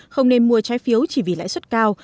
không nên mua trái phiếu chỉ vì lãi suất cao